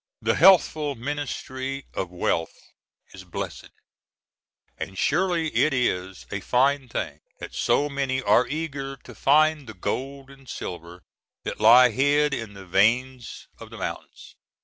The healthful ministry of wealth is blessed; and surely it is a fine thing that so many are eager to find the gold and silver that lie hid in the veins of the mountains.